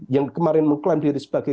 yang kemarin mengklaim diri sebagai